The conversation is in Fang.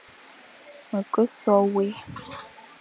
Me ke so wé,